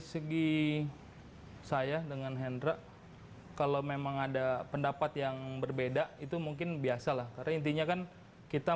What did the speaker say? segi saya dengan hendra kalau memang ada pendapat yang berbeda itu mungkin biasalah kayaknya kan kita